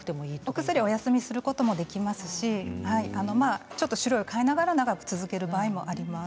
お薬、お休みすることもできますし、ちょっと種類を変えながら長く続ける場合もあります。